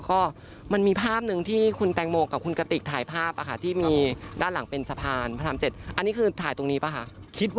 ก็มันมีภาพหนึ่งที่คุณแตงโมก